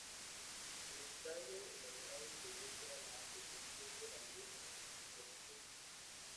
El ensayo elaborado involucra la asociación de la vieja con la nueva información.